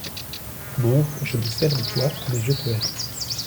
Mort, je me sers de toi, mais je te hais.